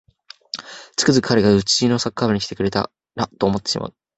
つくづく彼がうちのサッカー部に来てくれたらと思ってしまう